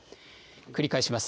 繰り返します。